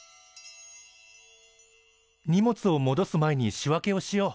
荷物をもどす前に仕分けをしよう。